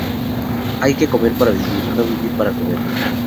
Hay que comer para vivir, no vivir para comer